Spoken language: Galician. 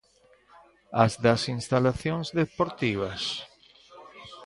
¿As das instalacións deportivas?